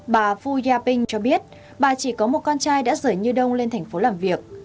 bà fu yaping cho biết bà chỉ có một con trai đã rời như đông lên thành phố làm việc